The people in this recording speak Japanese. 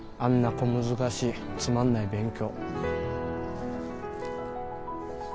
小難しいつまんない勉強。